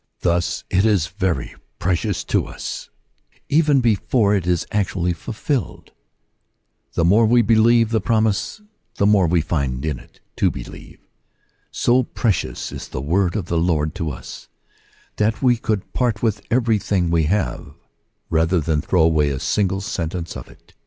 Thus it is very precious to us even before it is actually fulfilled. The more we believe the promise, the more we find in it to believe. So precious is the word of the Lord to us, that we could part with everything we have rather than throw away a single sentence of it.